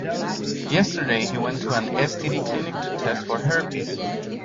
Yesterday, he went to an STD clinic to test for herpes.